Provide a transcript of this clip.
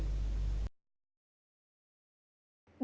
giải pháp ứng dụng bộ kít